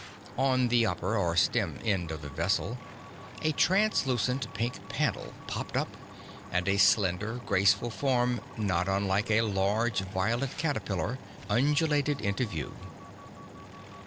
On the upper, or stem end of the vessel, a translucent pink panel popped up and a slender, graceful form not unlike a large violet caterpillar undulated into view.